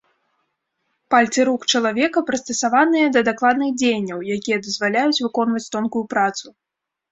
Пальцы рук чалавека прыстасаваныя да дакладных дзеянняў, якія дазваляюць выконваць тонкую працу.